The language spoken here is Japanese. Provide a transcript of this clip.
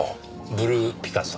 ブルーピカソ。